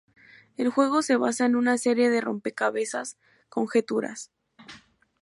El juego se basa en una serie de rompecabezas' conjeturas'.